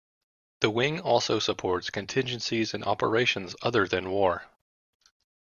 The wing also supports contingencies and operations other than war.